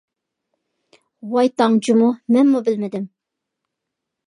ۋاي تاڭ جۇمۇ، مەنمۇ بىلمىدىم!